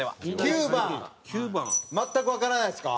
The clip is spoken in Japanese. ９番全くわからないですか？